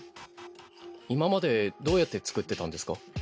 今までどうやって作ってたんですか？